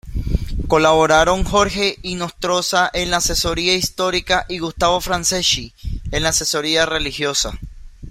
Colaboraron Jorge Inostroza en la asesoría histórica y Gustavo Franceschi en la asesoría religiosa.